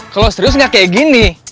kalau serius nggak kayak gini